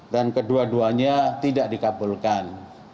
dan kedua duanya tidak dikabulkan